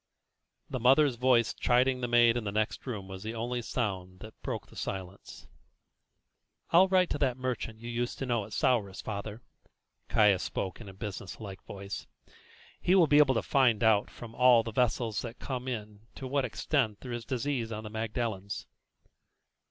The mother's voice chiding the maid in the next room was the only sound that broke the silence. "I'll write to that merchant you used to know at Souris, father," Caius spoke in a business like voice. "He will be able to find out from all the vessels that come in to what extent there is disease on the Magdalens."